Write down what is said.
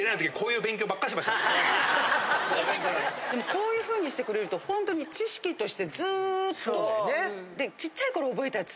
こういうふうにしてくれるとホントに知識としてずっと。